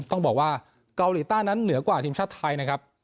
ต้องบอกว่าเกาหลีใต้นั้นเหนือกว่าทีมชาติไทยนะครับ